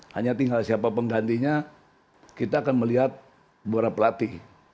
hanya tinggal siapa penggantinya kita akan melihat juara pelatih